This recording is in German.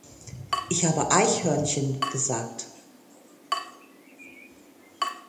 Ich habe 'Eichhörnchen' gesagt.